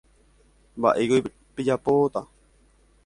Mba'éiko pejapóta.